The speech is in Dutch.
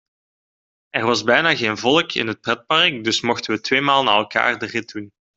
Er was bijna geen volk in het pretpark dus mochten we tweemaal na elkaar de rit doen.